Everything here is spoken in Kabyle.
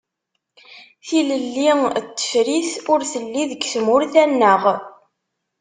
Tilelli n tefrit ur telli deg tmurt-a-nneɣ.